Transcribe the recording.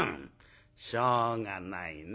しょうがないね